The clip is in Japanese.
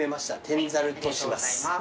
天ざるとします。